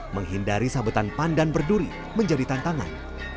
menghindari sabetan pandan berduri menjadi tantangan